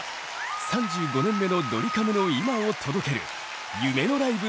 ３５年目のドリカムの今を届ける夢のライブの始まりです。